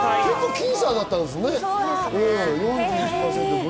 僅差だったんですね。